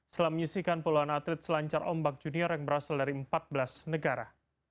setelah menyisikan puluhan atlet selancar ombak junior yang berasal dari empat belas negara